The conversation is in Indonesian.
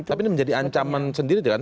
tapi ini menjadi ancaman sendiri